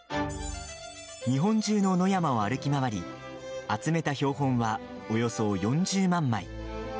日本中の野山を歩き回り集めた標本は、およそ４０万枚。